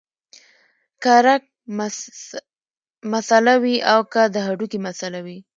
کۀ رګ مسئله وي او کۀ د هډوکي مسئله وي